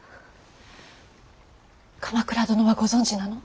鎌倉殿はご存じなの。